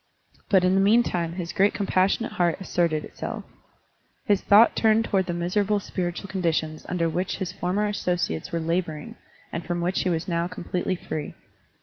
But in the meantime his great compassionate heart asserted itself. His thought turned toward the miserable spir itual conditions under which his former asso ciates were laboring and from which he was now completely free.